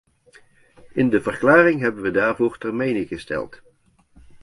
In de verklaring hebben we daarvoor termijnen gesteld.